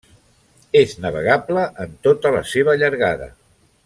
És navegable en tota la seva llargada.